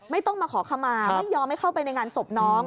ไม่ต้องมาขอขมาไม่ยอมให้เข้าไปในงานศพน้อง